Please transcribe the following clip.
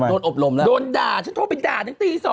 โดนอบล่มอะโดนด่าเจ้าแบบนี้